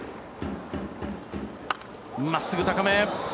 真っすぐ、高め。